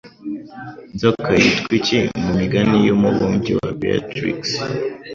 Inzoka yitwa iki mumigani yumubumbyi wa beatrix